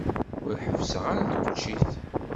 Ur ḥebbseɣ ara tuččit.